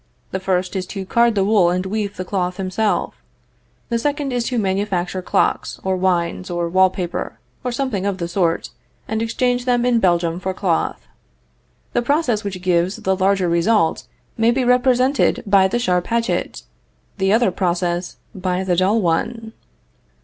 The first is to card the wool and weave the cloth himself; the second is to manufacture clocks, or wines, or wall paper, or something of the sort, and exchange them in Belgium for cloth. The process which gives the larger result may be represented by the sharp hatchet; the other process by the dull one.